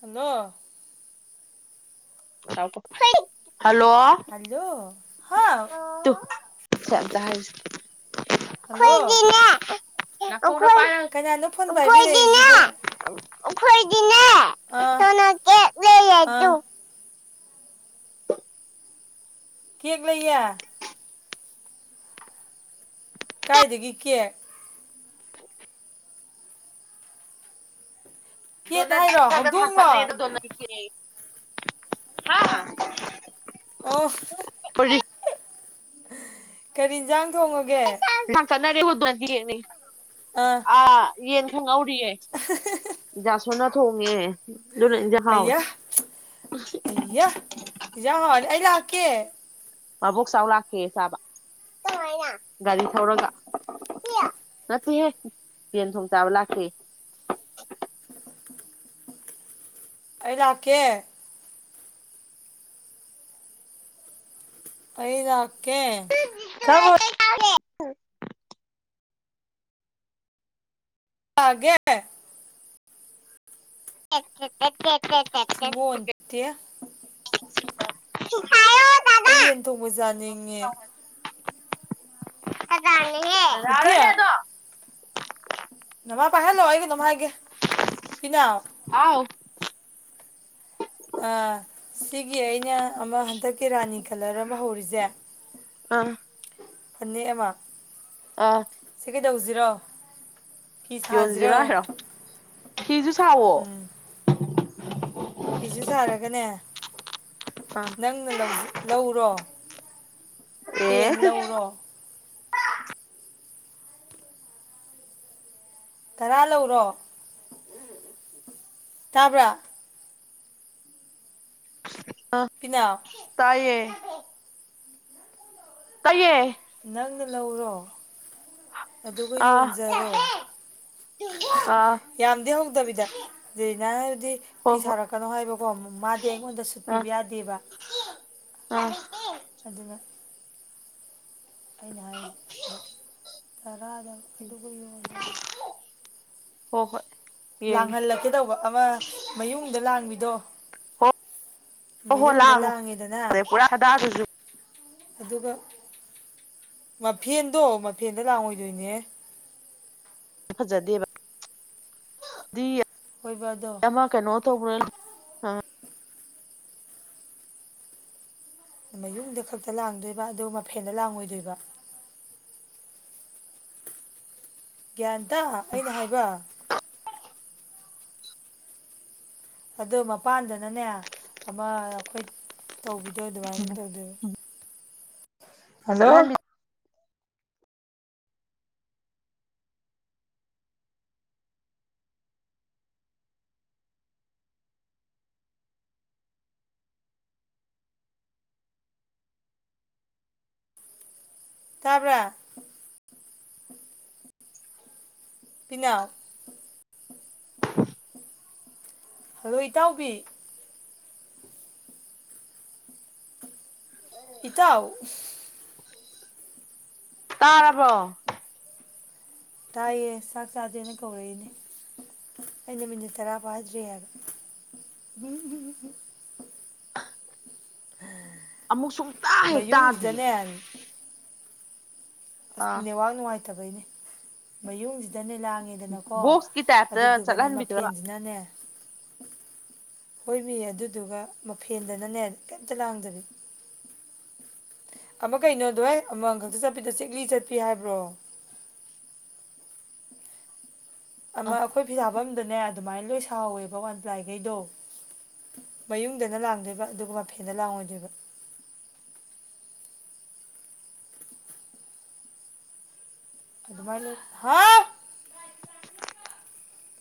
Hello hello hello hello ꯍꯥꯎ [unintelligible] ꯆꯠ hello ꯑꯩꯈꯣꯏꯒꯤꯅꯦ ꯀꯅꯥꯅꯣ ꯐꯣꯟ ꯄ ꯍꯥꯏꯕꯤꯔꯛꯏꯁꯤꯕꯣ ꯈꯣꯏꯒꯤ ꯑꯥ ꯑꯥ ꯑꯗꯨ ꯀꯦꯛ ꯂꯩꯦ ꯀꯥꯏꯗꯒꯤ ꯀꯦꯛ [unintelligible] ꯀꯦꯛ ꯍꯥꯏꯔꯣ ꯗꯣꯅꯔꯒ ꯍꯧꯗꯣꯡꯂꯣ ꯊꯥꯡꯀꯠ꯭ꯔꯦꯗ ꯗꯣꯅꯔꯁꯦ ꯑꯣ ꯀꯔꯤ ꯌꯦꯟꯁꯥꯡ ꯊꯣꯡꯉꯒꯦ ꯆꯉꯒꯦ ꯍꯗꯦꯅꯤ ꯑꯥ ꯑ ꯌꯦꯟ ꯌꯥ ꯁꯣꯟꯅ ꯊꯣꯡꯉꯦ ꯑꯗꯨꯅ ꯏꯟꯖꯥꯡ ꯍꯥꯎꯋꯦ ꯑꯌꯥ ꯑ ꯌꯥꯥꯟ ꯑ ꯂ ꯀꯦ ꯃꯕꯣꯛ ꯆꯥꯎ ꯂꯥꯛꯀꯦ ꯆꯥꯕ ꯒꯥꯔꯤ ꯊꯧꯔꯒ ꯅꯠꯇꯦꯍꯦ ꯌꯦꯦꯟ ꯊꯣꯡ ꯆꯥꯕ ꯂꯥꯛꯇ꯭ꯦ [unintelligible] ꯑꯩ ꯂꯥꯛ ꯀꯦ ꯑꯩꯗꯀꯦ ꯁꯔ ꯊꯒꯦ [unintelligible] ꯁꯤꯃꯣꯠꯇꯦ [unintelligible] ꯑꯩ ꯌꯦꯟ ꯊꯣꯡꯕꯖꯥ ꯅꯤꯡꯉꯦ ꯀ ꯃꯊꯌꯥ ꯅꯃꯥ ꯄꯥ ꯍꯦ ꯂ ꯑꯩꯒ ꯅꯃꯥꯏꯒꯦ ꯄꯤꯅꯦ ꯑ ꯍꯥꯎ ꯑꯥ ꯁꯤꯒꯤ ꯑꯩꯅ ꯑꯃ ꯍꯟꯗꯛꯀꯤ ꯔꯥꯅꯤ ꯀꯂꯔ ꯑꯃ ꯍꯧꯔꯤꯁꯦ ꯑꯥ ꯐꯅꯦꯛ ꯑꯃ ꯑꯥ ꯁꯤ ꯀꯩꯗꯧꯁꯤꯔꯣ ꯌꯣꯟꯁꯤꯔꯣ ꯐꯤꯤꯁꯖꯤꯔꯣ ꯍꯥꯏꯔꯣ ꯐꯤꯁꯨ ꯁꯥꯋꯣ ꯎꯝ ꯐꯤꯁꯨ ꯁꯥꯔꯒꯅꯦ ꯑ ꯅꯪꯅ ꯂꯧ ꯂꯧꯔꯣ ꯇꯦꯟ ꯑꯦ ꯂꯧꯔꯣ ꯇꯔꯥ ꯂꯧꯔꯣ ꯇꯥꯕ꯭ꯔꯥ ꯑ ꯄꯤꯅꯥꯎ ꯇꯥꯏꯌꯦ ꯇꯩꯌꯦ ꯅꯪꯅ ꯂꯧꯔꯣ ꯑꯗꯨꯒ ꯌꯣꯟꯖꯔꯣ ꯑꯥ ꯌꯥꯗ ꯍꯧꯒꯗꯕꯤꯗ ꯑꯗꯨꯩ ꯅꯪꯗꯤ ꯍꯣ ꯐꯤ ꯍꯣꯏ ꯁꯥꯔꯛꯀꯅꯣ ꯍꯥꯏꯕꯀꯣ ꯃꯥꯗꯤ ꯑꯩꯉꯣꯟꯗ ꯑ ꯁꯨꯠꯄꯤꯕ ꯌꯥꯗꯦꯕ ꯑ ꯑꯗꯨꯒꯅ ꯑꯩꯅ ꯍꯥꯏꯔꯤꯕ ꯇꯔꯥꯗ ꯑꯗꯨꯒ ꯌꯣꯒ ꯍꯣ ꯍꯣꯏ ꯌꯦꯡꯒꯦ ꯂꯥꯡꯍꯜꯂꯛꯀꯦ ꯇꯧꯕ ꯑꯃ ꯃꯌꯨꯡꯗ ꯂꯥꯡꯕꯤꯗꯣ ꯍꯣꯏ ꯍꯣ ꯃꯌꯨꯡꯗ ꯂꯥꯡꯉꯣ ꯂꯥꯡꯉꯦꯗꯅ ꯄꯨꯔꯥ ꯍꯗꯥꯗꯨꯁꯨ ꯑꯗꯨꯒ ꯃꯐꯦꯟꯗꯣ ꯃꯐꯦꯟꯗ ꯂꯥꯡꯑꯣꯏꯗꯣꯏꯅꯦ ꯐꯖꯗꯦꯕ ꯍꯣꯏꯕ ꯑꯗꯣ ꯑꯃ ꯀꯩꯅꯣ ꯇꯧꯕꯥꯅꯥ ꯍꯥꯥ ꯃꯌꯨꯡꯗ ꯈꯛꯇ ꯂꯥꯡꯗꯣꯏꯕ ꯑꯗꯨꯒ ꯃꯐꯦꯟꯗ ꯂꯥꯡꯉꯣꯏꯗꯣꯏꯕ ꯒ꯭ꯌꯥꯟꯇꯥ ꯑꯩꯅ ꯍꯥꯏꯕꯥ ꯑꯗ‌ꯣ ꯃꯄꯥꯟꯗꯅꯅꯦ ꯑꯃ ꯑꯩꯈꯣꯏ ꯇꯧꯕꯤ ꯑꯗꯨ ꯑꯗꯨꯃꯥꯏ ꯇꯧꯗ‌ꯣꯏꯔꯣ ꯍꯜꯂꯣ ꯆꯠꯍꯟꯕꯤ ꯇꯥꯕꯔꯥ ꯄꯤꯅꯥꯎ ꯍꯜꯂꯣ ꯏꯇꯥꯎꯕꯤ ꯏꯇꯥꯎ ꯇꯥꯔꯥꯕ꯭ꯔꯣ ꯇꯥꯏꯌꯦ ꯆꯥꯛ ꯆꯥꯗꯦꯅ ꯀꯧꯔꯛꯏꯅꯦ ꯑꯩꯅ ꯃꯅꯤ ꯇꯔꯥ ꯐꯥꯗꯔꯤ ꯍꯥꯏꯕ ꯑꯃꯨꯛ ꯁꯨꯡ ꯇꯥ ꯍꯦꯛ ꯇꯥꯗꯦ ꯃꯌꯨꯡꯁꯤꯗꯅꯦ ꯑꯁ ꯅꯦꯋꯥꯛ ꯅꯨꯡꯉꯥꯏꯇꯕꯩꯅꯦ ꯁꯤꯗꯅꯦ ꯂꯥꯡꯉꯤꯗꯅꯀꯣ ꯕꯣꯛꯁꯀꯤ ꯇꯥꯏꯞꯇ ꯑꯗꯨꯗꯨꯒꯅꯦ ꯆꯠꯍꯟꯕꯤꯗꯨꯔꯕ ꯃꯐꯦꯟꯁꯤꯅꯅꯦ ꯍꯣꯏꯃꯤ ꯑꯗꯨꯗꯨꯒ ꯃꯐꯦꯟꯗꯅꯅꯦ ꯀꯩꯝꯇ ꯂꯥꯡꯗꯕꯤ ꯑꯃ ꯀꯩꯅꯣꯗꯣꯏ ꯑꯃꯈꯛꯇ ꯆꯠꯄꯤꯗ ꯆꯤꯛꯂꯤ ꯆꯠꯄꯤ ꯍꯥꯏꯕ꯭ꯔꯣ [inaudible] ꯑ ꯑꯃꯥ ꯑꯩꯈꯣꯏ ꯐꯤꯁꯥꯐꯝꯗꯅꯦ ꯑꯗꯨꯃꯥꯏꯅ ꯂꯣꯏ ꯁꯥꯎꯋꯦꯕ ꯋꯥꯟ ꯄ꯭ꯂꯥꯏ ꯈꯩꯗꯣ ꯃꯌꯨꯡꯗꯅ ꯂꯥꯡꯗꯣꯏꯕ ꯑꯗꯨꯒ ꯃꯐꯦꯟꯗ ꯂꯥꯡꯉꯣꯏꯗꯣꯏꯕ ꯑꯗꯨꯃꯥꯏ ꯂꯩ ꯍꯥꯥꯎ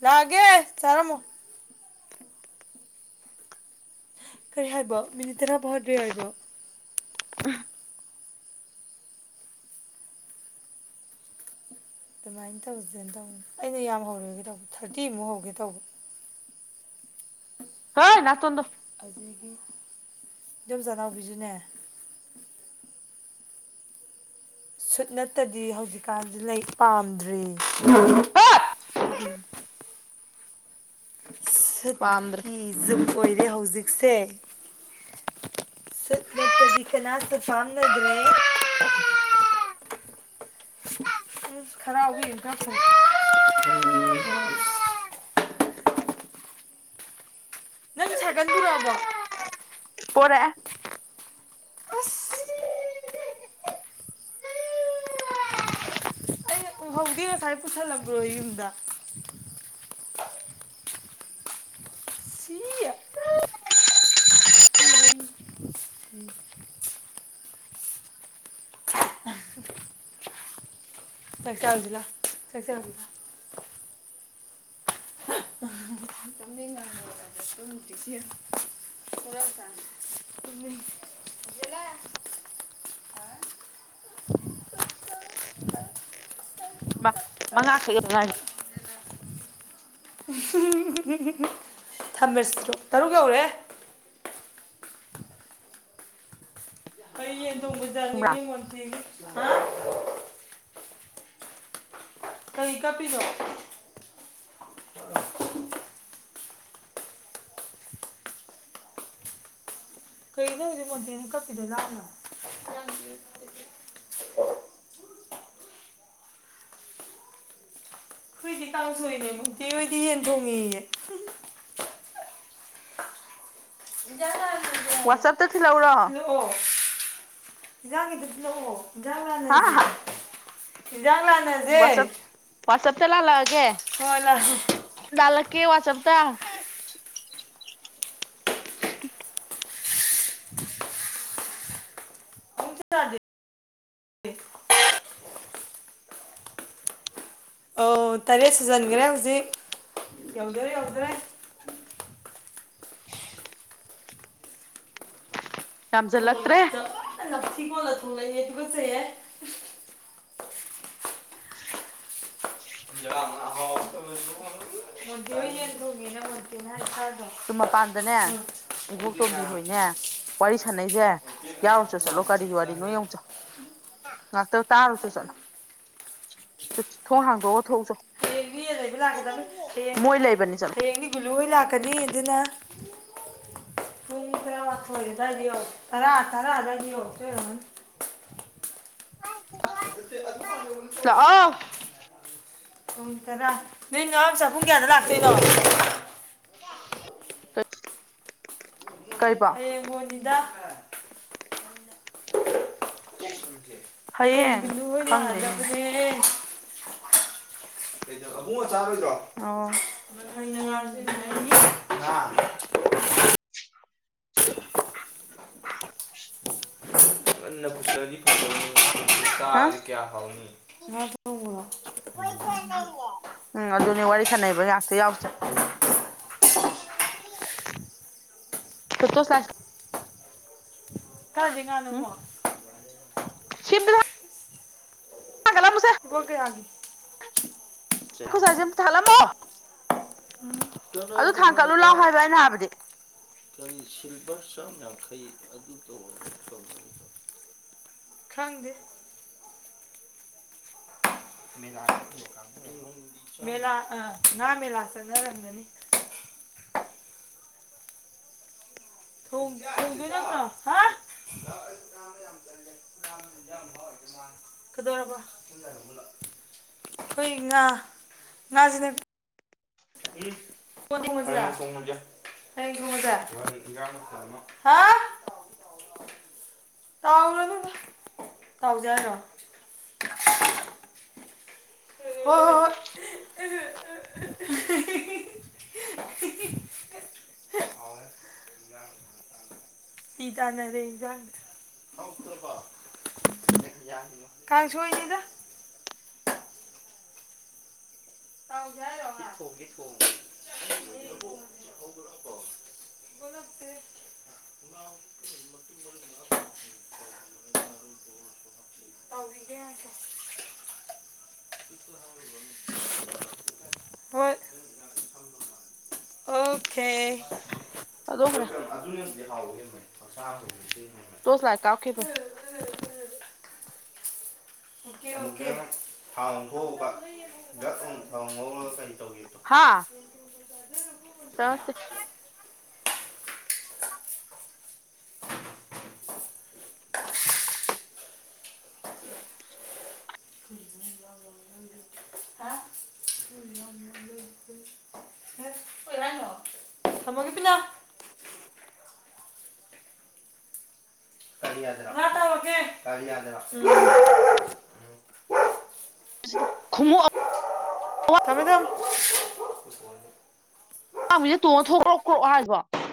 ꯂꯥꯛꯒꯦ ꯆꯥꯔꯝꯃ‌ꯣ ꯀꯔꯤ ꯍꯥꯏꯕ ꯃꯤꯅꯤꯠ ꯇꯔꯥ ꯐꯥꯗ꯭ꯔꯦ ꯍꯥꯏꯕ ꯑꯗꯨꯃꯥꯏꯅ ꯇꯧꯁꯤꯔ ꯇꯧꯅꯤ ꯑꯩꯅ ꯌꯥꯝ ꯍꯧꯔꯣꯏꯒꯦ ꯇꯧꯕ ꯊꯥꯔꯇꯤꯃꯨꯛ ꯍꯧꯒꯦ ꯇꯧꯕ ꯍꯣꯏ ꯅꯥꯇꯣꯟꯗ‌ꯣ ꯑꯗꯨꯗꯒꯤ ꯏꯗꯣꯝꯆꯥ ꯅꯥꯎꯕꯤꯁꯨꯅꯦ ꯁꯨꯠ ꯅꯠꯇꯗꯤ ꯍꯧꯖꯤꯛꯀꯥꯟꯗꯤ ꯂꯩ ꯄꯥꯝꯗ꯭ꯔꯦ ꯍꯠ ꯗꯨꯒꯤ ꯄꯥꯝꯗ꯭ꯔꯦ ꯁꯛꯀꯤ ꯖꯨꯛ ꯑꯣꯏꯔꯦ ꯍꯧꯖꯤꯛꯁꯦ ꯁꯨꯠ ꯅꯠꯇꯗꯤ ꯀꯅꯥꯁꯨ ꯐꯥꯅꯗ꯭ꯔꯦ [unintelligible] ꯅꯪ ꯁꯥꯒꯟ ꯄꯨꯔꯛꯑꯕꯣ ꯄꯣꯔꯛꯑꯦ ꯑꯁ ꯎꯕꯧꯗꯦ ꯉꯁꯥꯏ ꯄꯨꯁꯟ ꯂꯝꯕꯔꯣ ꯌꯨꯝꯗ ꯁꯤ ꯁꯤ ꯂꯩꯏ [unintelligible] ꯆꯥꯛꯆꯥꯎꯖꯤ ꯂꯥꯎ ꯆꯥꯛꯆꯥꯎꯖꯤ ꯂꯥꯎ ꯅꯨꯡꯁꯤ [unintelligible] [unintelligible] ꯃꯥ ꯃꯉꯥ ꯈꯛ ꯌꯧꯗ ꯉꯥꯢꯔꯤ ꯊꯝꯃꯁꯤꯗꯣ ꯇꯔꯨꯛ ꯌꯧꯔꯦ ꯆꯨꯝꯃꯤꯖꯅꯤꯡꯉ ꯃ ꯊ ꯀꯩ ꯀꯞꯄꯤꯅ‌ꯣ [unintelligible] ꯈꯣꯏꯗꯤ ꯀꯥꯡꯥꯎꯁꯣꯏꯅꯦ ꯃꯨꯇꯤ ꯑꯣꯏꯗꯤ ꯌꯦꯟ ꯊꯣꯡꯉꯤꯌꯦ ꯋꯥꯆꯞꯇ ꯊꯤꯜꯂꯛꯎꯔꯣ [unintelligible] ꯏꯟꯖꯥꯡꯒꯤꯗꯗꯤ ꯂꯥꯛꯑꯣ ꯏꯟꯖꯥꯡ ꯍꯥ ꯂꯥꯟꯅꯁꯦ ꯏꯥꯡ ꯂꯥꯟꯅꯁꯦ ꯍꯣꯏ ꯂꯥꯛꯑꯣ [unintelligible] ꯀꯦ ꯋꯥ ꯋꯥꯆꯥꯞꯇ ꯑꯃꯨꯛ ꯆꯥꯗꯦ ꯑꯧ ꯇꯔꯦꯠ ꯁꯨꯖꯟꯒꯔꯦ ꯍꯧꯖꯤꯛ ꯌꯧꯗꯣꯔꯦ ꯌꯧꯗꯣꯔꯦ [unintelligible] ꯌꯥꯝꯖꯜꯂꯛꯇ꯭ꯔꯦ [unintelligible] [unintelligible] ꯁꯨꯝ ꯃꯄꯥꯟꯗꯅꯦ ꯎꯝ ꯏꯕꯣꯛꯇꯣꯝꯕꯤ ꯍꯣꯏꯅꯦ ꯋꯥꯔꯤ ꯁꯥꯟꯅꯩꯁꯦ ꯌꯥꯎꯔꯨꯁꯨ ꯆꯠꯂꯣ ꯀꯔꯤ ꯋꯥꯔꯤꯅꯣ ꯌꯦꯡꯉꯨꯆꯣ ꯉꯥꯛꯇ ꯇꯥꯔꯨꯆꯣ ꯆꯠꯂꯣ ꯊꯣꯡ ꯍꯥꯡꯗꯣꯛꯑ ꯊꯣꯛꯎꯆꯣ ꯍꯌꯦꯡꯗꯤ ꯌꯦꯟ ꯂꯩꯕ ꯂꯥꯛꯀꯗꯕꯅꯤ ꯍꯌꯦꯡ ꯃꯣꯏ ꯂꯩꯕꯅꯤ ꯆꯠꯂꯣ ꯍꯌꯦꯡꯗꯤ ꯒꯨꯂꯨ ꯍꯣꯏ ꯂꯥꯛꯀꯅꯤ ꯑꯗꯨꯅ ꯄꯨꯡ ꯇꯔꯥꯃꯊꯣꯏ ꯑꯗꯥꯏ ꯌꯧꯔꯛ ꯇꯔꯥ ꯇꯔꯥ ꯑꯗꯥꯏꯗꯥ ꯌꯧꯔꯛꯇꯣꯏ ꯑꯣꯏꯔꯝꯒꯅꯤ ꯂꯛꯑꯣ ꯄꯨꯡ ꯇꯔꯥ ꯅꯣꯏ ꯅꯃꯥ ꯆꯥ ꯄꯨꯡ ꯀꯌꯥꯗ ꯂꯥꯛꯇꯣꯏꯅꯣ [unintelligible] ꯍꯌꯦꯡ ꯍꯣꯅꯤꯗ ꯑꯌꯦꯒꯤ ꯍꯌꯦꯡ ꯅꯤꯂꯨ ꯍꯣꯏ ꯈꯪꯗꯦꯅꯦ ꯂꯛꯑꯥꯗꯕꯅꯦ ꯑꯕꯨꯡꯉꫭ ꯆꯥꯔꯣꯏꯗ꯭ꯔꯣ ꯑꯣ [unintelligible] [unintelligible] [unintelligible] ꯎꯝ ꯑꯗꯨꯅꯤ ꯋꯥꯔꯤ ꯁꯥꯟꯅꯩꯕ ꯉꯥꯛꯇ ꯌꯥꯎꯆꯣ ꯐꯣꯇꯣ [unintelligible] ꯀꯥꯥꯁꯦ ꯉꯥꯅꯣꯃꯨꯛ [unintelligible] [unintelligible] ꯂꯨꯄꯥ ꯀꯌꯥꯒꯤ ꯑꯩꯈꯣꯏ ꯁꯥꯏꯖꯦ ꯑꯃꯇ ꯊꯜꯂꯝꯃꯣ ꯀꯅꯥꯗꯅꯣ ꯉ ꯂꯥꯎ ꯍꯥꯏꯕ ꯑꯩꯅ ꯍꯥꯏꯕꯗꯤ ꯀꯔꯤ ꯁꯤ ꯂꯨꯄꯥ ꯆꯥꯝ ꯌꯥꯡꯈꯩ ꯑꯗꯨ [unintelligible] ꯈꯪꯗꯦ [unintelligible] [inaudible] ꯊꯣꯡ ꯊꯣꯡꯗꯣꯏ ꯅꯠꯇꯔꯣ ꯍꯥ ꯀꯗꯧꯔꯕ ꯑꯩꯈꯣꯏ ꯉꯥ ꯉꯥꯁꯤꯅꯦ [unintelligible] [unintelligible] ꯍꯥ ꯇꯥꯎꯔꯣ ꯏꯕꯦꯝꯃꯥ ꯇꯥꯎꯖꯥꯔꯣ ꯍꯣ ꯍꯣ ꯍꯣꯏ ꯍꯣꯏ꯫ ꯄꯤ ꯇꯥꯅꯔꯦ ꯏꯟꯖꯡ ꯀꯪꯁꯣꯏꯅꯤꯗ [unintelligible] [unintelligible] [unintelligible] [unintelligible] ꯍꯣꯏ ꯑꯣꯀꯦ ꯊꯥꯗꯣꯛꯈ꯭ꯔꯦ [unintelligible] ꯇꯣꯁ ꯂꯥꯏꯠ ꯀꯥꯞꯈꯤꯕꯅꯤ [inaudible] [unintelligible] ꯍꯥ [inaudible] ꯆꯠꯇꯦ [unintelligible] [unintelligible] [inaudible] [unintelligible] [inaudible] ꯈꯣꯡꯎꯞ ꯊꯝꯃꯦ ꯊꯝ ꯄꯥꯝꯃꯤꯁꯦ ꯇꯣꯡꯉ ꯊꯣꯛ꯭ꯔꯑꯣ ꯀ꯭ꯔꯛꯑꯣ ꯍꯥꯏꯕ꯭ꯔꯣ